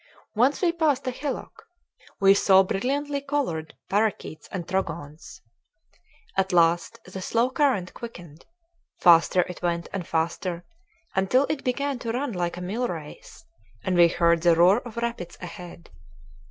Once we passed a hillock. We saw brilliantly colored parakeets and trogons. At last the slow current quickened. Faster it went, and faster, until it began to run like a mill race, and we heard the roar of rapids ahead.